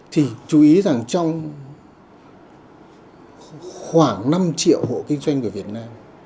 thì chú ý rằng trong khoảng năm triệu hộ kinh doanh của việt nam